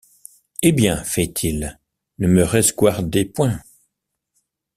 Hé bien, feit-il, ne me resguardez point.